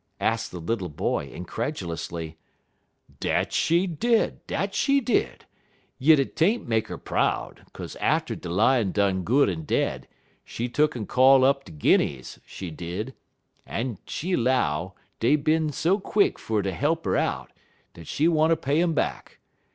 asked the little boy, incredulously. "Dat she did dat she did! Yit 't ain't make 'er proud, 'kaze atter de Lion done good en dead, she tuck en call up de Guinnies, she did, en she 'low, dey bin so quick fer ter he'p 'er out, dat she wanter pay um back.